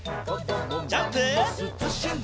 ジャンプ！